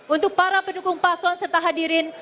untuk para pendukung paslon serta hadirin